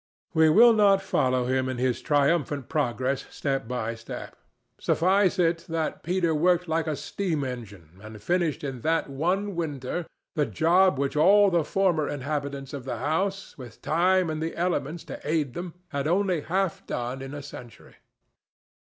We will not follow him in his triumphant progress step by step. Suffice it that Peter worked like a steam engine and finished in that one winter the job which all the former inhabitants of the house, with time and the elements to aid them, had only half done in a century.